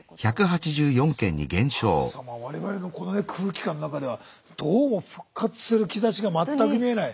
そっか我々のこのね空気感の中ではどうも復活する兆しが全く見えない。